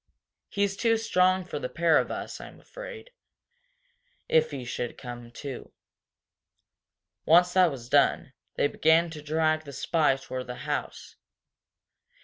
He's too strong for the pair of us, I'm afraid, if he should come to." Once that was done, they began to drag the spy toward the house.